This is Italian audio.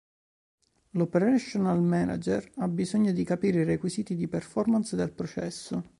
L'Operational Manager ha bisogno di capire i requisiti di performance del processo.